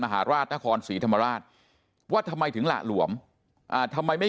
มหาราชนครศรีธรรมราชว่าทำไมถึงหละหลวมทำไมไม่